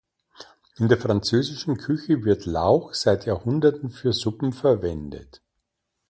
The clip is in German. In der französischen Küche wird Lauch seit Jahrhunderten für Suppen verwendet.